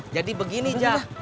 jadi begini jack